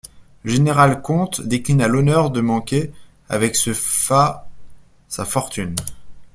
Le général-comte déclina l'honneur de manquer, avec ce fat, sa fortune.